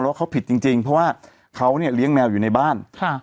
ว่าเขาผิดจริงเพราะว่าเขาเนี่ยเลี้ยงแมวอยู่ในบ้าน